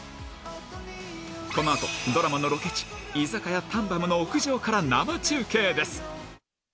このあとドラマのロケ地、居酒屋タンバムの屋上から生中継です。